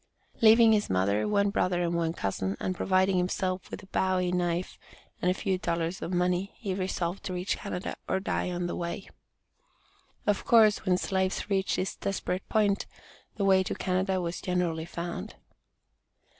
Leaving his mother, one brother and one cousin, and providing himself with a Bowie knife and a few dollars in money, he resolved to reach Canada, "or die on the way." Of course, when slaves reached this desperate point, the way to Canada was generally found.